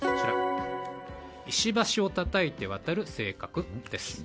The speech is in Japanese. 石橋をたたいて渡る性格？です。